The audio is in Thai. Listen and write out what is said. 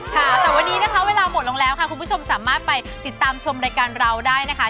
ค่ะแต่วันนี้นะคะเวลาหมดลงแล้วค่ะคุณผู้ชมสามารถไปติดตามชมรายการเราได้นะคะ